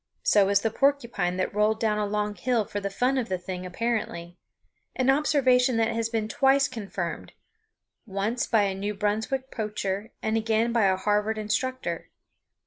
So is the porcupine that rolled down a long hill for the fun of the thing apparently an observation that has been twice confirmed, once by a New Brunswick poacher and again by a Harvard instructor.